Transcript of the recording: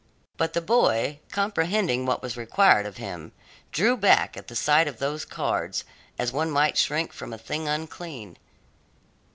But the boy, comprehending what was required of him, drew back at sight of those cards as one might shrink from a thing unclean.